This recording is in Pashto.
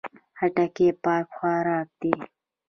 خټکی پاک خوراک دی.